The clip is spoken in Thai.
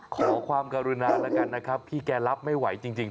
ขอความกรุณาแล้วกันนะครับพี่แกรับไม่ไหวจริง